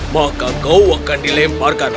maka kau akan dilemparkan